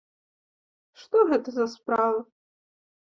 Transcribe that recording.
Што гэта за справа?